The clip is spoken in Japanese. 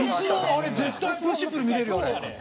あれ絶対プッシュプル見れるよあれ。